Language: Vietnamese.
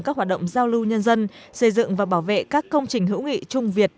các hoạt động giao lưu nhân dân xây dựng và bảo vệ các công trình hữu nghị trung việt